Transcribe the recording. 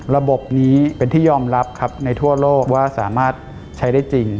ระบบนี้เป็นที่ยอมรับครับในทั่วโลกว่าสามารถใช้ได้จริง